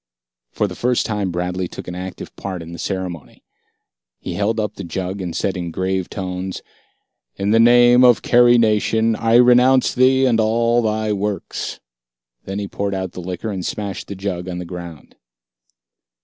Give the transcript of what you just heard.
For the first time, Bradley took an active part in the ceremony. He held up the jug and said in grave tones, "In the name of Carrie Nation, I renounce thee and all thy works." Then he poured out the liquor and smashed the jug on the ground.